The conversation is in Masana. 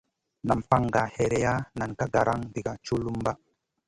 Nam fan gah hèreya nen ka garam diga tchulumba.